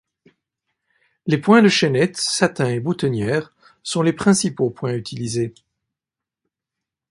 Les points de chaînette, satin et boutonnière sont les principaux points utilisés.